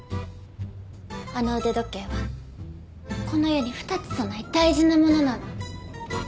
あの腕時計はこの世に２つとない大事なものなの。